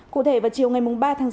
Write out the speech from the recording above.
cụ thể vào chiều ngày ba tháng sáu